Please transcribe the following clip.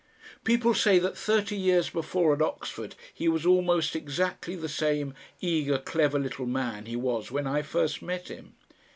People say that thirty years before at Oxford he was almost exactly the same eager, clever little man he was when I first met him.